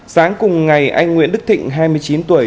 sáng cùng ngày anh nguyễn đức thịnh hai mươi chín tuổi